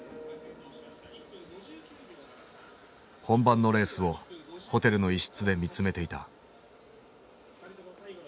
本番のレースをホテルの一室で見つめていた。